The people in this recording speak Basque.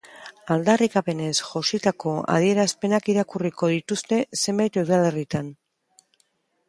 Aldarrikapenez jositako adierazpenak irakurriko dituzte zenbait udalerritan.